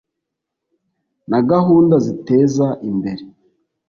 na gahunda ziteza imbere